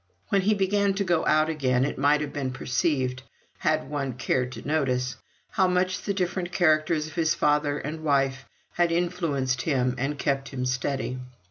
When he began to go out again, it might have been perceived had any one cared to notice how much the different characters of his father and wife had influenced him and kept him steady.